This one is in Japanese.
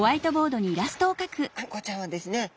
あんこうちゃんはですね